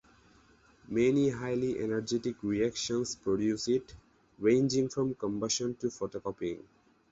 Many highly energetic reactions produce it, ranging from combustion to photocopying.